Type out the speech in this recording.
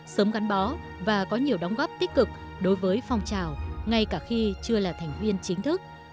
sớm gắn bó và có nhiều đóng góp tích cực đối với phong trào ngay cả khi chưa là thành viên chính thức